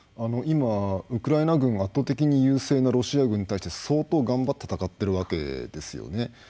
今ウクライナ軍は圧倒的に優勢のロシア軍に対して相当頑張って戦っているわけですよね。